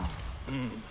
うん。